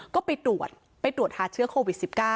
ก็ไปตรวจไปตรวจหาเชื้อโควิด๑๙